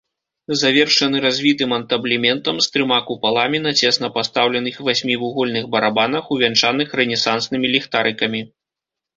Завершаны развітым антаблементам з трыма купаламі на цесна пастаўленых васьмівугольных барабанах, увянчаных рэнесанснымі ліхтарыкамі.